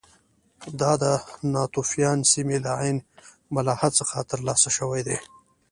دا د ناتوفیان سیمې له عین ملاحا څخه ترلاسه شوي دي